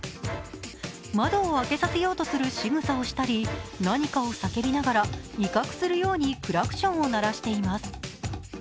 窓を開けさせようとするしぐさをしたり、何かを叫びながら威嚇するようにクラクションを鳴らしています。